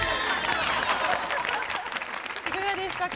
いかがでしたか？